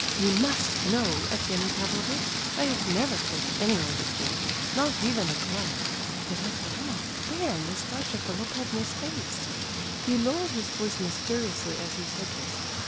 You must know, Evgenie Pavlovitch, I have never told anyone before—not even Aglaya—that I cannot bear Nastasia Philipovna's face." (He lowered his voice mysteriously as he said this.)